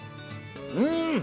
うん！